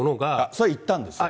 それはいったんですよ。